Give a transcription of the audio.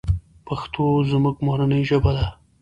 پښتو زموږ مورنۍ ژبه ده .